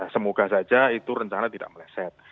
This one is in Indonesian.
semoga saja itu rencana tidak meleset